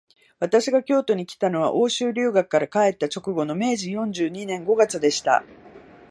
私が京都にきたのは、欧州留学から帰った直後の明治四十二年五月でした